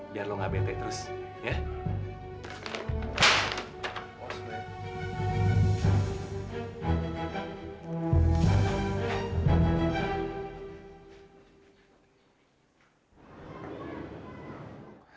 biar lo gak betek terus ya